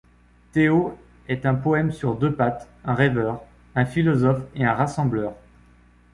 Théo est un poème sur deux pattes, un rêveur, un philosophe et un rassembleur.